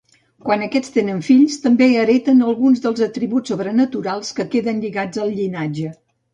Quan aquests tenen fills, també hereten alguns dels atributs sobrenaturals, que queden lligats al llinatge.